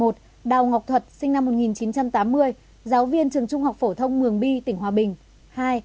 đào ngọc thuật sinh năm một nghìn chín trăm tám mươi giáo viên trường trung học phổ thông mường bi tỉnh hòa bình